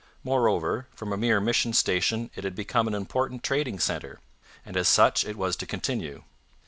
Moreover, from a mere mission station it had become an important trading centre; and as such it was to continue.